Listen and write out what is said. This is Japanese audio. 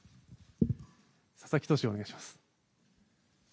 佐々木投手、お願いします。